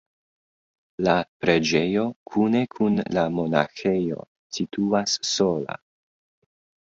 La preĝejo kune kun la monaĥejo situas sola.